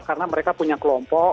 karena mereka punya kelompok